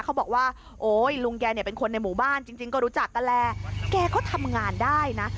เขาบอกว่าโอ้ยลุงแกเนี่ยเป็นคนในหมู่บ้านจริงก็รู้จักกันแหละแกก็ทำงานได้นะ